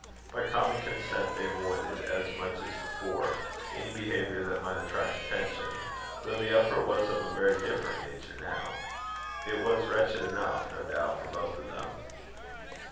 By common consent they avoided, as much as before, any behaviour that might attract attention; though the effort was of a very different nature now. It was wretched enough, no doubt, for both of them.